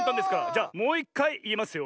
じゃもういっかいいいますよ。